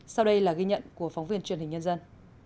sau đây là ghi nhận của phóng viên truyền hình nhân dân